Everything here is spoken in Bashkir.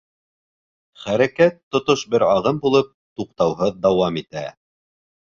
Хәрәкәт, тотош бер ағым булып, туҡтауһыҙ дауам итә.